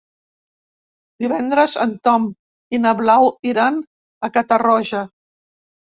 Divendres en Tom i na Blau iran a Catarroja.